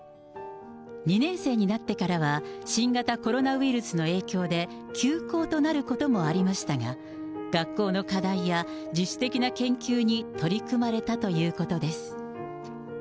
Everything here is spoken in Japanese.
２年生になってからは、新型コロナウイルスの影響で休校となることもありましたが、学校の課題や自主的な研究に取り組まれたということです。